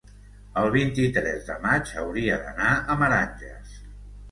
el vint-i-tres de maig hauria d'anar a Meranges.